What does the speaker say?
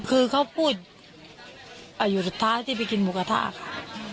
คือเขาพูดอยู่สุดท้ายที่ไปกินหมูกระทะค่ะ